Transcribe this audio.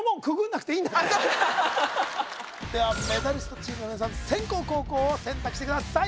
あっそっかではメダリストチームの皆さん先攻後攻を選択してください